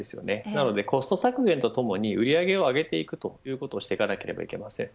なので、コスト削減と共に売り上げを上げていくということをしていかなければいけません。